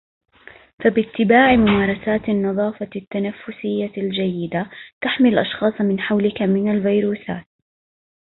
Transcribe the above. فباتّباع ممارسات النظافة التنفسية الجيدة تحمي الأشخاص من حولك من الفيروسات